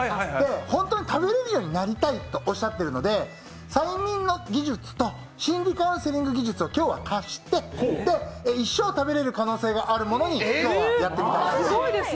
本当に食べれるようになりたいとおっしゃっているので催眠の技術と心理カウンセリング技術を足して、一生食べれる可能性のあるものに今日はやってみたいと思います。